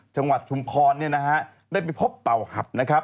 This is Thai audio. ชังวัดชุมพรได้ไปพบเต่าหับ